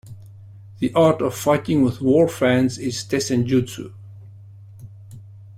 The art of fighting with war fans is tessenjutsu.